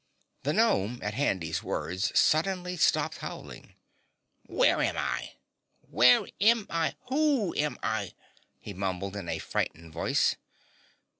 The gnome, at Handy's words suddenly stopped howling. "Where am I? Where am I? WHO am I?" he mumbled in a frightened voice.